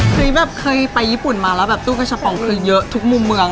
แบบเคยไปญี่ปุ่นมาแล้วแบบตู้กระป๋องคือเยอะทุกมุมเมือง